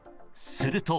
すると。